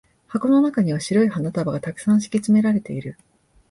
箱の中には白い花束が沢山敷き詰められている。